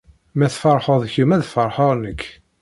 Ma tfeṛḥed kemm, ad feṛḥeɣ nekk.